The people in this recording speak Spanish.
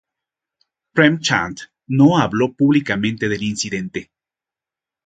Prem Chand no habló públicamente del incidente.